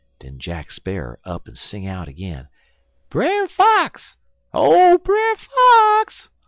Den Jack Sparrer up'n sing out agin: "'Brer Fox! Oh, Brer Fox!